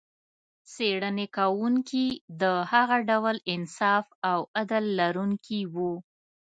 څېړنې کوونکي د هغه ډول انصاف او عدل لرونکي و.